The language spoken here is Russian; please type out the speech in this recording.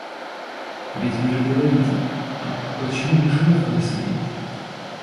Ведь вы же говорите, а почему мышеловка не смеет?